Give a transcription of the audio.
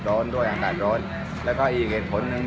โดนด้วยอากาศโดนแล้วก็อีกเหตุผลหนึ่ง